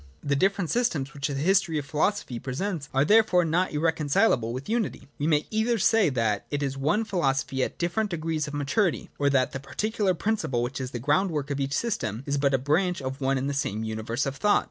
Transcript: The different systems which the history of philosophy presents are therefore not irreconcilable with unity. We may either say, that it is one philosophy at different I3 I4 J RELATION OF SUCCESSIVE SYSTEMS. 23 degrees of maturity : or that the particular principle, which is the groundwork of each system, is but a branch of one and the same universe of thought.